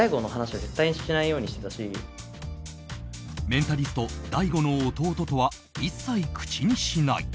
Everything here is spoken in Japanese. メンタリストＤａｉＧｏの弟とは一切口にしない。